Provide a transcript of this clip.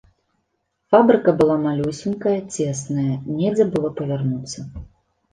Фабрыка была малюсенькая, цесная, недзе было павярнуцца.